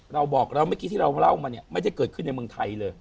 เราบอกแล้วเมื่อกี้ที่เราเล่ามาเนี่ยไม่ได้เกิดขึ้นในเมืองไทยเลย